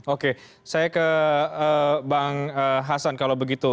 oke saya ke bang hasan kalau begitu